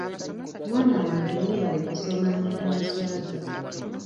Mwana wange weebale kusoma n'otanswaza.